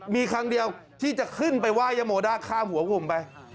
มีครั้งเดียวที่จะขึ้นไปไหว้ยโมด้าข้ามหัวกลุ่มไป